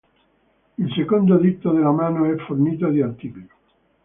Il secondo dito della mano è fornito di artiglio.